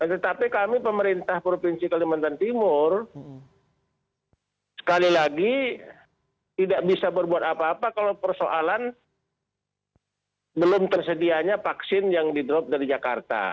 tetapi kami pemerintah provinsi kalimantan timur sekali lagi tidak bisa berbuat apa apa kalau persoalan belum tersedianya vaksin yang di drop dari jakarta